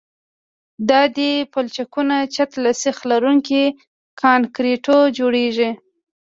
د دې پلچکونو چت له سیخ لرونکي کانکریټو جوړیږي